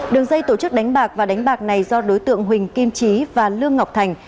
đường dây tổ chức đánh bạc và đánh bạc này do đối tượng huỳnh kim trí và lương ngọc thành